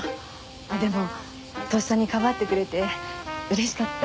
でもとっさにかばってくれて嬉しかった。